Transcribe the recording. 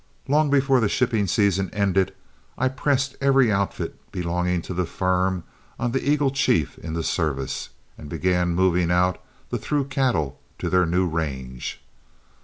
Long before the shipping season ended I pressed every outfit belonging to the firm on the Eagle Chief into service, and began moving out the through cattle to their new range.